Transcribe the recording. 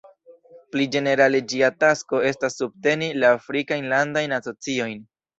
Pli ĝenerale ĝia tasko estas subteni la Afrikajn landajn asociojn.